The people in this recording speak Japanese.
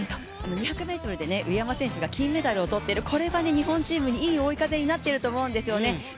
２００ｍで上山選手が金メダルを取っているこれは日本人選手にとっていい追い風になっていると思うんですよね。